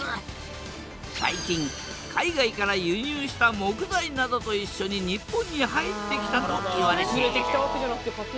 最近海外から輸入した木材などといっしょに日本に入ってきたといわれている。